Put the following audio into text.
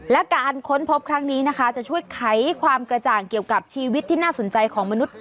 และการค้นพบครั้งนี้นะคะจะช่วยไขความกระจ่างเกี่ยวกับชีวิตที่น่าสนใจของมนุษย